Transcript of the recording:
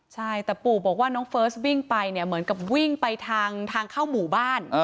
ใช่แต่ปู่บอกว่าน้องเฟิร์สวิ่งไปเนี่ยเหมือนกับวิ่งไปทางเข้าหมู่บ้าน